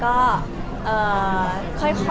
ตอนนี้หรอคะก็